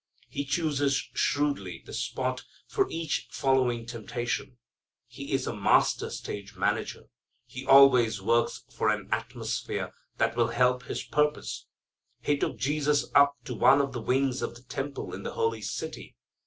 He chooses shrewdly the spot for each following temptation. He's a master stage manager. He always works for an atmosphere that will help his purpose. He took Jesus up to one of the wings of the temple in the holy city.